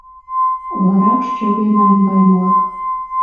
Варакш чыве наҥгаймылак